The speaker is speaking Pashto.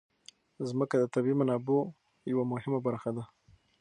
ځمکه د طبیعي منابعو یوه مهمه برخه ده.